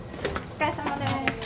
お疲れさまです。